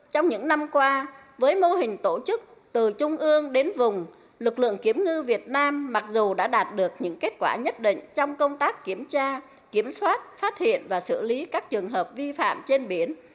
trong những năm qua với mô hình tổ chức từ trung ương đến vùng lực lượng kiểm ngư việt nam mặc dù đã đạt được những kết quả nhất định trong công tác kiểm tra kiểm soát phát hiện và xử lý các trường hợp vi phạm trên biển